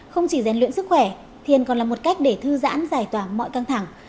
không chỉ rèn luyện sức khỏe thiền còn là một cách để thư giãn giải tỏa mọi căng thẳng